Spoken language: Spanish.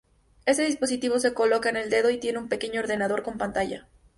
Este dispositivo se coloca en el dedo y tiene un pequeño ordenador con pantalla.